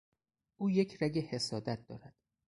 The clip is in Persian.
او یک رگ حسادت دارد.